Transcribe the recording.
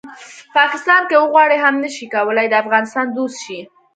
پاکستان که وغواړي هم نه شي کولی د افغانستان دوست شي